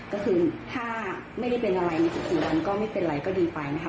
ก็คือถ้าไม่ได้เป็นอะไรใน๑๔วันก็ไม่เป็นไรก็ดีไปนะคะ